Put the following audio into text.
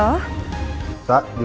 karena ada yang cerdik